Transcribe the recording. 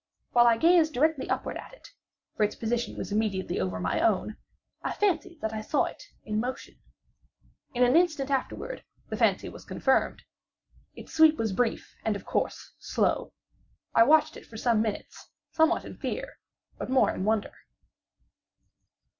While I gazed directly upward at it (for its position was immediately over my own) I fancied that I saw it in motion. In an instant afterward the fancy was confirmed. Its sweep was brief, and of course slow. I watched it for some minutes, somewhat in fear, but more in wonder.